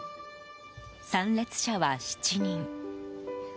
参列者は７人。